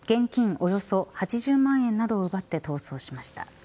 およそ８０万円などを奪って逃走しました。